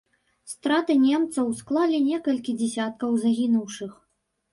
Страты немцаў склалі некалькі дзясяткаў загінуўшых.